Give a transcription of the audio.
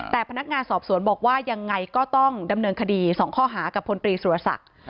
แต่พนักงานสอบสวนบอกว่ายังไงก็ต้องดำเนินคดี๒ข้อหากับพลตรีสุรศักดิ์